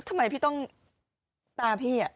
ทำไมพี่ต้องตาพี่